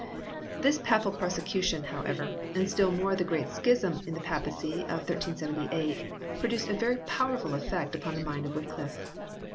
This Papal prosecution, however, and still more the Great Schism in the Papacy of 1378, produced a very powerful effect upon the mind of Wycliffe.